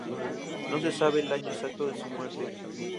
No se sabe el año exacto de su muerte.